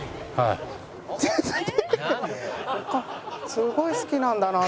すごい好きなんだなあ